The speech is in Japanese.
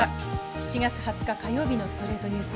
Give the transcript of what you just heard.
７月２０日、火曜日の『ストレイトニュース』。